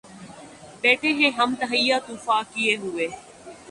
بیٹهے ہیں ہم تہیّہ طوفاں کئے ہوئے